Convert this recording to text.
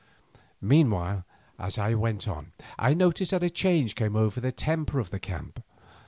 Meanwhile, as time went on, I noticed that a change came over the temper of the camp.